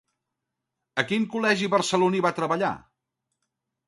A quin col·legi barceloní va treballar?